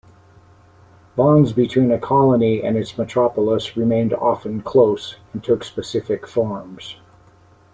Bonds between a colony and its metropolis remained often close, and took specific forms.